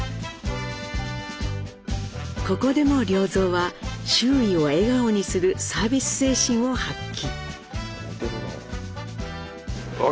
ここでも良三は周囲を笑顔にするサービス精神を発揮。